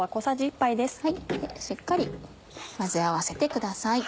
しっかり混ぜ合わせてください。